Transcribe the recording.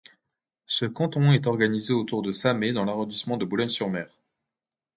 Ce canton est organisé autour de Samer dans l'arrondissement de Boulogne-sur-Mer.